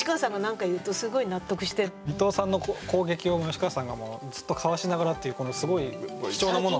伊藤さんの攻撃を吉川さんがもうずっとかわしながらっていうこのすごい貴重なものを。